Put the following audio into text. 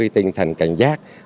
tinh thần cảnh giác